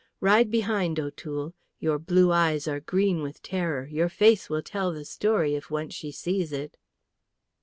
Ride behind, O'Toole! Your blue eyes are green with terror. Your face will tell the story, if once she sees it."